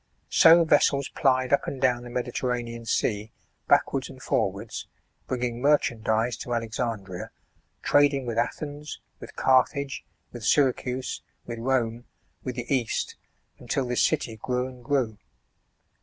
So vessels plied up and down the Mediterranean Sea, backwards and forwards, bringing merchandise to Alexandria, trading with Athens, with Carthage, with Syracuse, with Rome, with the East, until the city grew and grew.